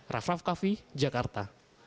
raff raff kaffi jakarta